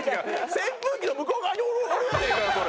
扇風機の向こう側におる俺じゃねえかよそれ！